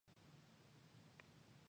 水の呼吸弐ノ型水車（にのかたみずぐるま）